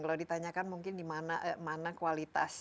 kalau ditanyakan mungkin di mana kualitas